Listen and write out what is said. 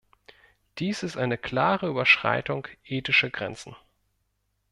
Dies ist eine klare Überschreitung ethischer Grenzen.